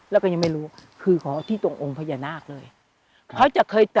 แล้วก็ยังไม่รู้คือขอที่ตรงองค์พญานาคเลย